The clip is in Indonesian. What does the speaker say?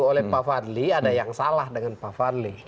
oleh pak fadli ada yang salah dengan pak fadli